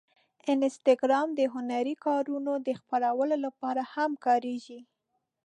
انسټاګرام د هنري کارونو د خپرولو لپاره هم کارېږي.